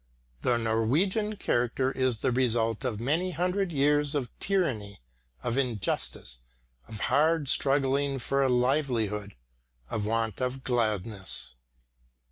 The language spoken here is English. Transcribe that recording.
The Norwegian character is the result of many hundred years of tyranny, of injustice, of hard struggling for a livelihood, of want of gladness.